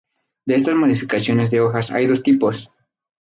De estas modificaciones de hojas hay dos tipos.